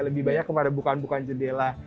lebih banyak kepada bukaan bukaan jendela